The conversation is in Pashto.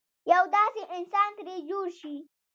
یو داسې انسان ترې جوړ شي.